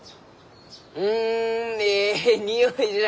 うんえいにおいじゃ。